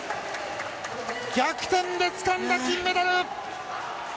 逆転でつかんだ金メダル！